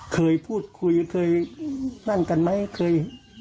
เคยพูดคุยเคยนั่นกันไหมเคย